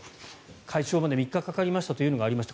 解消まで３日かかりましたというのがありました。